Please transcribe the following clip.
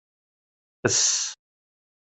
Ess!